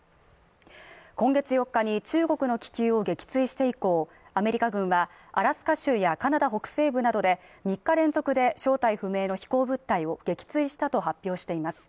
今月４日に中国の気球を撃墜して以降、アメリカ軍はアラスカ州やカナダ北西部で３日連続で正体不明の飛行物体を撃墜したと発表しています。